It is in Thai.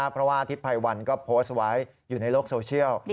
เพราะว่าทิพย์ภัยวันก็โพสต์ไว้อยู่ในโลกโซเชียล